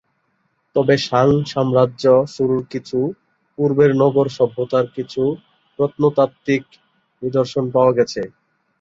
তবে শাং সাম্রাজ্য শুরুর কিছু পূর্বের নগর সভ্যতার কিছু প্রত্নতাত্ত্বিক নিদর্শন পাওয়া গেছে।